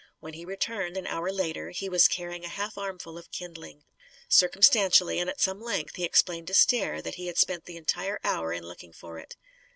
When he returned, an hour later, he was carrying a half armful of kindling. Circumstantially and at some length he explained to Stair that he had spent the entire hour in looking for it.